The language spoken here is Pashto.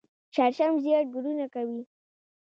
شړشم ژیړ ګلونه کوي